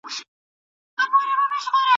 بیا دي ویني فوارې سوې د کلونو له پرهاره